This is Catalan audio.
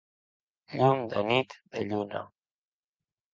Llum de nit de lluna.